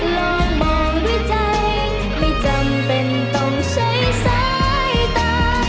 ลองมองด้วยใจไม่จำเป็นต้องใช้สายตา